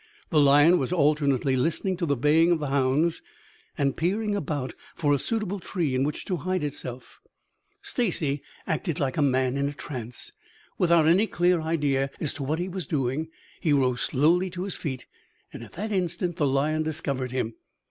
The lion was alternately listening to the baying of the hounds and peering about for a suitable tree in which to hide itself. Stacy acted like a man in a trance. Without any clear idea as to what he was doing, he rose slowly to his feet. At that instant the lion discovered him.